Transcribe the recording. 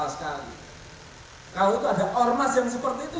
kalau itu ada ormas yang seperti itu ya kita gebuk